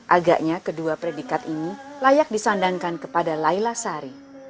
agaknya kedua predikat ini layak disandankan kepada layla sari